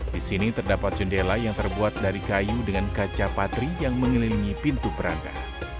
di sini terdapat jendela yang terbuat dari kayu dengan kaca patri yang mengelilingi pintu peranda